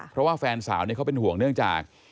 เพราะว่าแฟนสาวเขาเป็นห่วงเนื่องจาก